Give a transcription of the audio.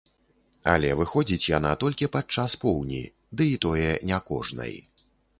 Але выходзіць яна толькі падчас поўні, ды і тое не кожнай.